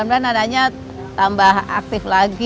ya mudah mudahan anaknya tambah aktif lagi